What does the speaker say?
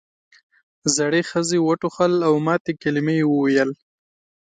زړې ښځې وټوخل او ماتې کلمې یې وویل.